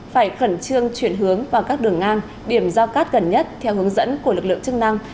phải khẩn trương chuyển hướng vào các đường ngang điểm giao cát gần nhất theo hướng dẫn của lực lượng chức năng